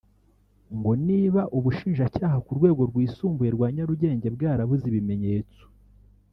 ngo niba ubushinjacyaha ku rwego rwisumbuye rwa Nyarugenge bwarabuze ibimenyetso